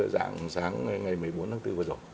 sáng ngày một mươi bốn tháng bốn vừa rồi